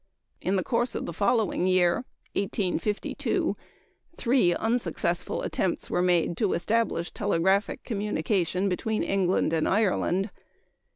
In the course of the following year (1852) three unsuccessful attempts were made to establish telegraphic communication between England and Ireland.